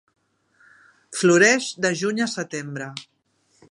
Floreix de juny a setembre.